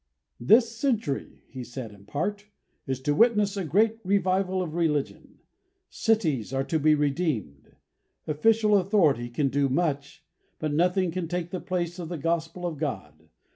"This century," he said in part, "is to witness a great revival of religion. Cities are to be redeemed. Official authority can do much, but nothing can take the place of the Gospel of God....